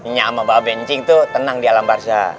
nyiak sama bapak bencing tuh tenang di alam barzah